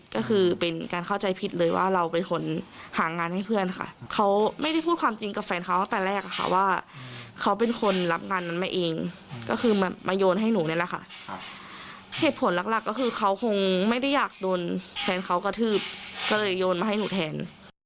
ก็คือเป็นการเข้าใจผิดเลยว่าเราเป็นคนหางานให้เพื่อนค่ะเขาไม่ได้พูดความจริงกับแฟนเขาตั้งแต่แรกค่ะว่าเขาเป็นคนรับงานนั้นมาเองก็คือมาโยนให้หนูนี่แหละค่ะเหตุผลหลักหลักก็คือเขาคงไม่ได้อยากโดนแฟนเขากระทืบก็เลยโยนมาให้หนูแทน